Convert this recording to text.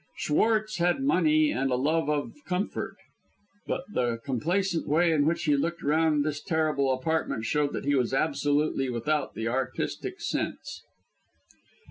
Schwartz had money and a love of comfort; but the complacent way in which he looked round this terrible apartment showed that he was absolutely without the artistic sense.